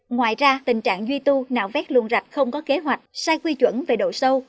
ngoài ra tình trạng duy tu nạo vét luôn rạch không có kế hoạch sai quy chuẩn về độ sâu